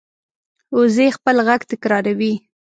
وزې خپل غږ تکراروي